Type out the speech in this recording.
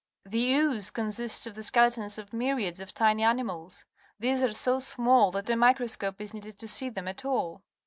The ooze consists of Ihe^eletons of myriads of tiny animals. These are so small that a microscope is needed to see them at all.